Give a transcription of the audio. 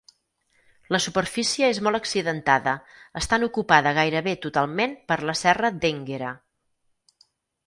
La superfície és molt accidentada, estant ocupada gairebé totalment per la serra d'Énguera.